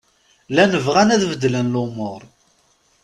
Llan bɣan ad beddlen lumuṛ.